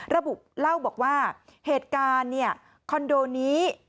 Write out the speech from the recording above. ระบุเล่าบอกว่าเหตุการณ์คอนโดนี้